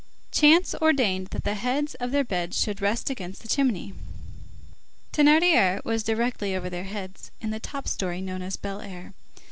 Chance ordained that the heads of their beds should rest against the chimney. Thénardier was directly over their heads in the top story known as Fine Air.